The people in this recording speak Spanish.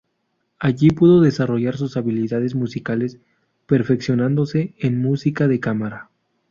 Allí pudo desarrollar sus habilidades musicales, perfeccionándose en música de cámara.